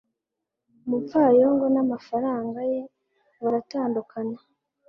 Umupfayongo n'amafaranga ye baratandukana.